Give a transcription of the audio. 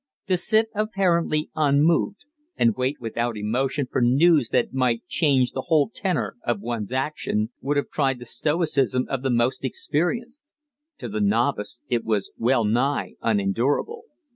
To sit apparently unmoved, and wait without emotion for news that might change the whole tenor of one's action, would have tried the stoicism of the most experienced; to the novice it was wellnigh unendurable.